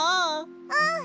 うん。